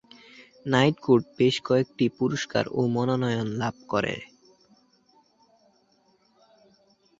Night Court বেশ কয়েকটি পুরস্কার ও মনোনয়ন লাভ করে।